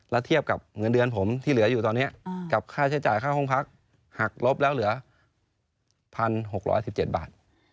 แล้วเทียบกับเงินเดือนผมที่เหลืออยู่ตอนนี้กับค่าใช้จ่ายค่าห้องพักหักลบแล้วเหลือ๑๖๑๗บาท